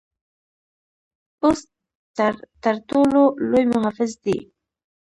پوست تر ټر ټولو لوی محافظ دی.